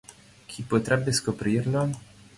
Chi potrebbe scoprirlo?